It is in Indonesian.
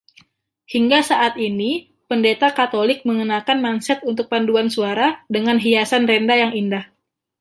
Hingga saat ini, pendeta Katolik mengenakan manset untuk paduan suara dengan hiasan renda yang indah.